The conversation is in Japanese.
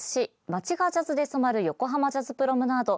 街がジャズで染まる横濱ジャズプロムナード。